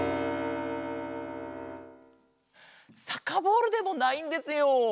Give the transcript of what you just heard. サッカーボールでもないんですよ。